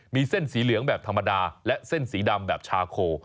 มีเส้นสีเหลืองแบบธรรมดาและเส้นสีดำแบบชาโค